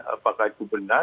apakah itu benar